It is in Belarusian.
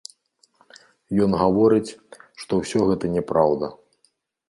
Ён гаворыць, што ўсё гэта няпраўда.